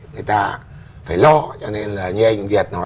người ta phải lo cho nên là như anh việt nói